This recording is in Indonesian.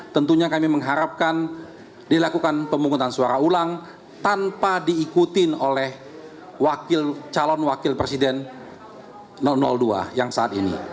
tentunya kami mengharapkan dilakukan pemungutan suara ulang tanpa diikutin oleh calon wakil presiden dua yang saat ini